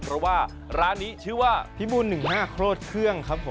เพราะว่าร้านนี้ชื่อว่าพิบูล๑๕โครดเครื่องครับผม